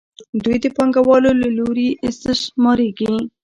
دوی د پانګوالو له لوري استثمارېږي